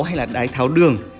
hay là đái tháo đường